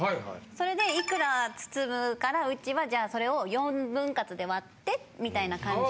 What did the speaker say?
それでいくら包むからうちはじゃあそれを４分割で割ってみたいな感じの。